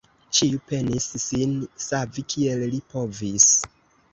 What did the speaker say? Ĉiu penis sin savi, kiel li povis.